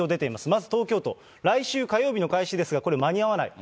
まず東京都、来週火曜日の開始ですが、これ、間に合わない。